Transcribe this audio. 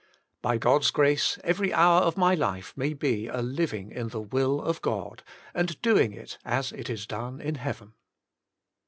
By God's grace every hour of my life may be a living in the will of God, and doing it as it is done in heaven.